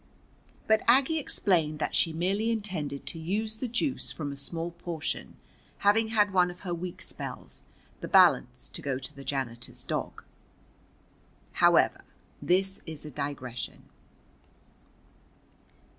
But Aggie explained that she merely intended to use the juice from a small portion, having had one of her weak spells, the balance to go to the janitor's dog. However, this is a digression.